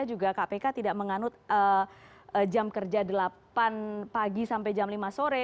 juga kpk tidak menganut jam kerja delapan pagi sampai jam lima sore